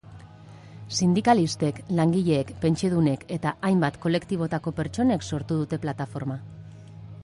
Sindikalistek, langileek, pentsiodunek eta hainbat kolektibotako pertsonek sortu dute plataforma.